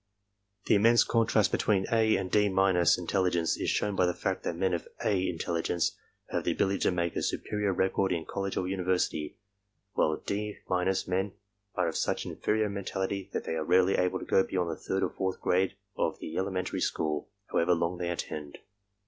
The immense contrast between "A" and "D —" intelligence^ is shown by the fact that men of "A" intelligence have the ability to make a superior record in college or university, while "D— " men are of such inferior mentality that they are rarely able to go beyond the third or fourth grade of the elementary school, however long they attend.